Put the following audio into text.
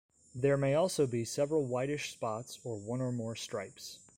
There may also be several whitish spots or one or more stripes.